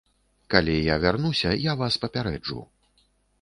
Калі я вярнуся, я вас папярэджу.